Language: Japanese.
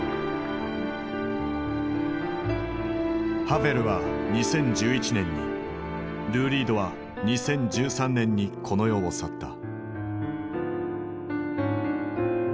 ハヴェルは２０１１年にルー・リードは２０１３年にこの世を去った。